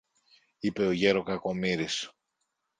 είπε ο γερο Κακομοίρης.